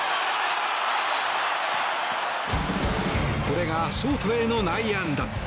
これがショートへの内野安打。